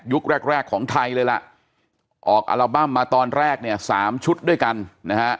แรกแรกของไทยเลยล่ะออกอัลบั้มมาตอนแรกเนี่ยสามชุดด้วยกันนะฮะ